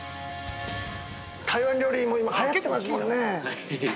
◆台湾料理も今はやっていますもんね。